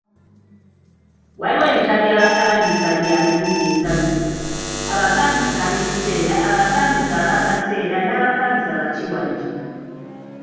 Waliwo ebika by'obupangisa bya mirundi esatu; abapangisa ab'ekiseera, abapangisa ab'akaseera n'abapangisa bakiwagi.